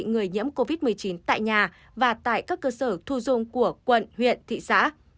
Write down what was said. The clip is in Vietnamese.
người nhiễm covid một mươi chín tại nhà và tại các cơ sở thu dung của quận huyện thị xã